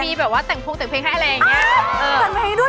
มีแบบว่าแต่งพงแต่งเพลงให้อะไรอย่างนี้